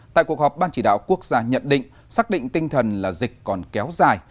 tại cuộc họp ban chỉ đạo quốc gia nhận định xác định tinh thần là dịch còn kéo dài